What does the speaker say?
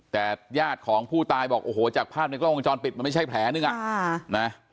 แต่ญาติของผู้ตายบอกโอ้โหจากภาพในกล้องวงจรปิดมันไม่ใช่แผลนึงอ่ะนะ